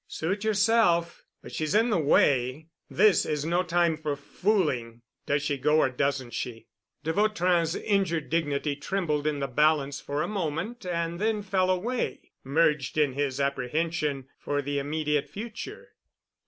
"Suit yourself. But she's in the way. This is no time for fooling. Does she go or doesn't she?" De Vautrin's injured dignity trembled in the balance for a moment and then fell away, merged in his apprehension for the immediate future.